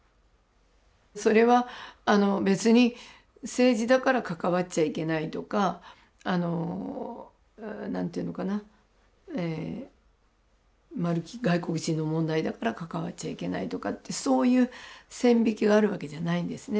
それは別に政治だから関わっちゃいけないとかあの何ていうのかな外国人の問題だから関わっちゃいけないとかってそういう線引きがあるわけじゃないんですね。